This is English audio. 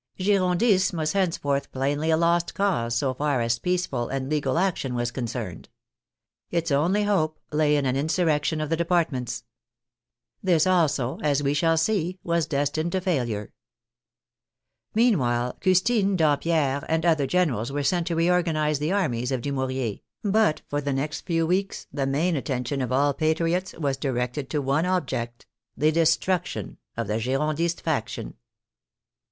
Girondism was henceforth plainly a lost cause so far as peaceful and legal action was concerned. Its only hope lay in an insurrection of the departments. This also, as we shall see, was des tined to failure. Meanwhile Custine, Dampierre, and other generals were sent to reorganize the armies of Du mouriez, but for the next few weeks the main attention of all patriots was directed to one object — the destruc tion of the Girondist faction.